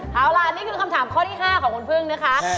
เอาล่ะนี่คือคำถามข้อที่๕ของคุณพึ่งนะคะ